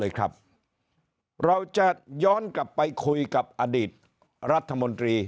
เลยครับเราจะย้อนกลับไปคุยกับอดีตรัฐมนตรี